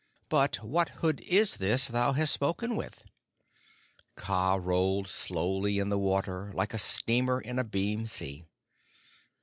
But what hood is this thou hast spoken with?" Kaa rolled slowly in the water like a steamer in a beam sea.